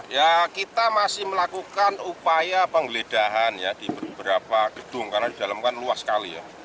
ya kita masih melakukan upaya penggeledahan ya di beberapa gedung karena di dalam kan luas sekali ya